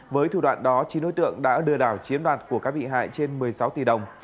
với thủ đoạn đó chín đối tượng đã lừa đảo chiếm đoạt của các bị hại trên một mươi sáu tỷ đồng